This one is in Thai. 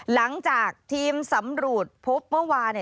หลังจากทีมสำรวจพบเมื่อวานเนี่ย